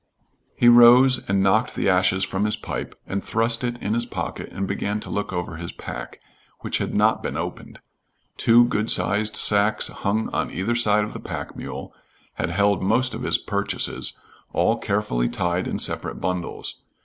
He rose and knocked the ashes from his pipe and thrust it in his pocket and began to look over his pack, which had not been opened. Two good sized sacks hung on either side of the pack mule had held most of his purchases, all carefully tied in separate bundles.